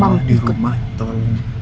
mama di rumah tolong